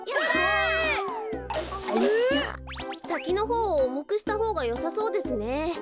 さきのほうをおもくしたほうがよさそうですね。